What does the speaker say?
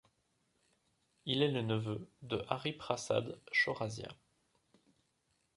Il est le neveu de Hariprasad Chaurasia.